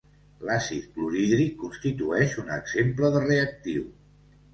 L'àcid clorhídric constitueix un exemple de reactiu.